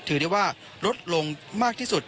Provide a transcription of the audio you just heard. ถือได้ว่าลดลงมากที่สุด